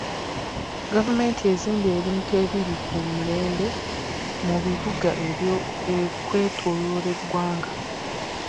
Gavumenti ezimbye ebintu ebiri ku mulembe mu bibuga okwetooloola eggwanga.